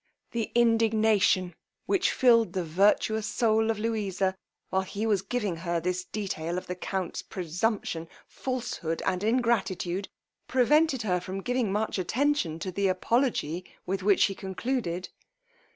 The indignation which filled the virtuous foul of Louisa, while he was giving her this detail of the count's presumption, falsehood, and ingratitude, prevented her from giving much attention to the apology with which he concluded.